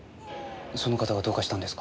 その方がどうかしたんですか？